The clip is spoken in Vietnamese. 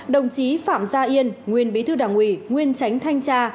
đồng chí phạm gia yên nguyên bí thư đảng ủy nguyên tránh thanh tra